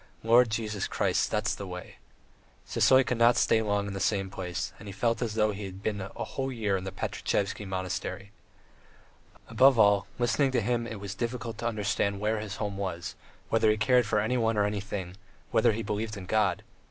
Lord Jesus Christ. ... That's the way. ..." Sisoy could never stay long in the same place, and he felt as though he had been a whole year in the Pankratievsky Monastery. Above all, listening to him it was difficult to understand where his home was, whether he cared for anyone or anything, whether he believed in God.